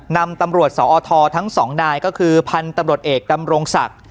นำตำรวจสอททั้งสองนายก็คือพันธุ์ตำรวจเอกดำรงศักดิ์